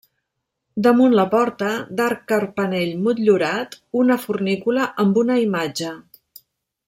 Damunt la porta, d'arc carpanell motllurat, una fornícula amb una imatge.